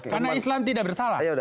karena islam tidak bersalah